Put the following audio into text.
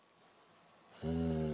うん。